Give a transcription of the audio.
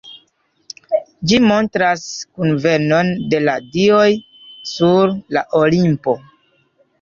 Ĝi montras kunvenon de la dioj sur la Olimpo.